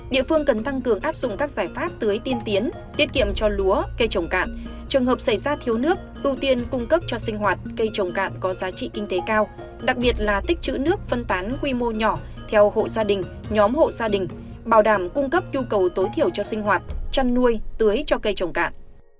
địa phương cần tăng cường áp dụng các giải pháp tưới tiên tiến tiết kiệm cho lúa cây trồng cạn trường hợp xảy ra thiếu nước ưu tiên cung cấp cho sinh hoạt cây trồng cạn có giá trị kinh tế cao đặc biệt là tích chữ nước phân tán quy mô nhỏ theo hộ gia đình nhóm hộ gia đình bảo đảm cung cấp nhu cầu tối thiểu cho sinh hoạt chăn nuôi tưới cho cây trồng cạn